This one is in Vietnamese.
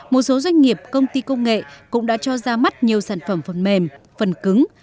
một số doanh nghiệp công ty công nghệ cũng đã cho ra mắt nhiều sản phẩm phần mềm phần cứng